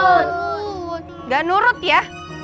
enggak nurut ya